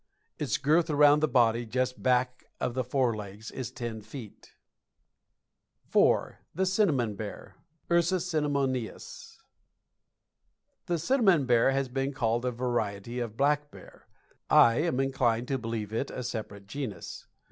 Its girth around the body just back of the forelegs is ten feet. IV. THE CINNAMON BEAR. Ursus Cinnamoneous. The Cinnamon Bear has been called a variety of black bear. I am inclined to believe it a separate genus.